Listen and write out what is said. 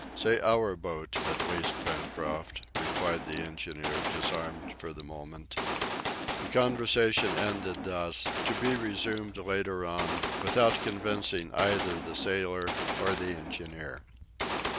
"Say 'our' boat, at least, Pencroft," replied the engineer, disarmed for the moment. The conversation ended thus, to be resumed later on, without convincing either the sailor or the engineer.